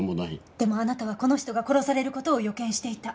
でもあなたはこの人が殺される事を予見していた。